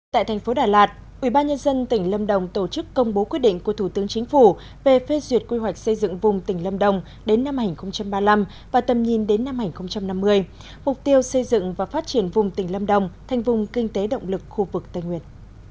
tại thành phố đà lạt ubnd tỉnh lâm đồng tổ chức công bố quyết định của thủ tướng chính phủ về phê duyệt quy hoạch xây dựng vùng tỉnh lâm đồng đến năm hai nghìn ba mươi năm và tầm nhìn đến năm hai nghìn năm mươi mục tiêu xây dựng và phát triển vùng tỉnh lâm đồng thành vùng kinh tế động lực khu vực tây nguyên